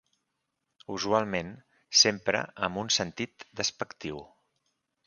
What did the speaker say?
Usualment s'empra amb un sentit despectiu.